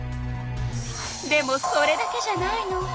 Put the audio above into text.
でもそれだけじゃないの。